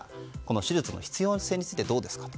出術の必要性についてどうですかと。